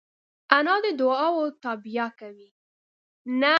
انا د دعاوو تابیا کوي